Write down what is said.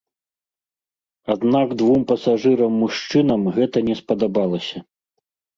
Аднак двум пасажырам-мужчынам гэта не спадабалася.